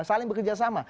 saling bekerja sama